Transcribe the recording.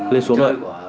lên xuống rồi